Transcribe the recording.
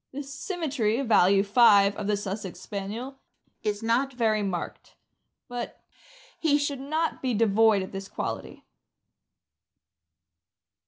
The symmetry (value 5) of the Sussex Spaniel is riot very marked; but he should not be devoid of this quality.